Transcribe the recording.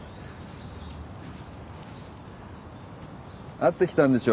会ってきたんでしょ？